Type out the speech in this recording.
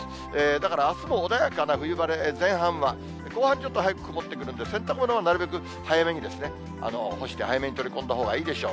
だからあすも穏やかな冬晴れ、前半は、後半ちょっと早く曇ってくるんで、洗濯物はなるべく早めに干して、早めに取り込んだほうがいいでしょう。